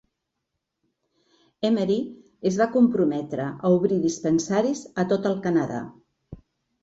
Emery es va comprometre a obrir dispensaris a tot el Canadà.